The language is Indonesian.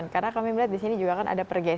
karena kami melihat di sini juga kan ada pergengan